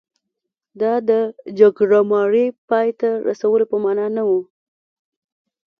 دا د جګړه مارۍ پای ته رسولو په معنا نه و.